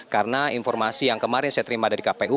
karena informasi yang kemarin saya terima dari kpu